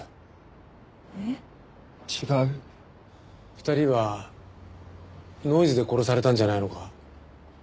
２人はノイズで殺されたんじゃないのか？